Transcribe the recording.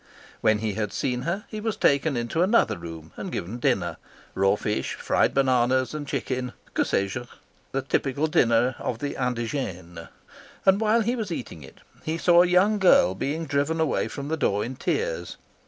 When he had seen her he was taken into another room and given dinner raw fish, fried bananas, and chicken , the typical dinner of the and while he was eating it he saw a young girl being driven away from the door in tears.